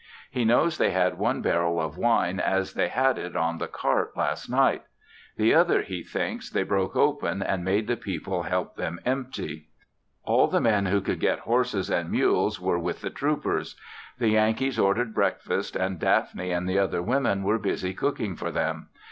He knows they had one barrel of wine as they had it on the cart last night; the other he thinks they broke open and made the people help them empty. All the men who could get horses and mules were with the troopers. The Yankees ordered breakfast and Daphne and the other women were busy cooking for them.